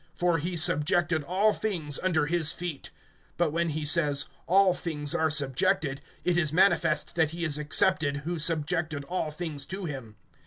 For he subjected all things under his feet. (27)But when he says, All things are subjected, it is manifest that he is excepted, who subjected all things to him.